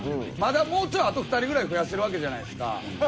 まだもうちょいあと２人ぐらい増やせるわけじゃないですか。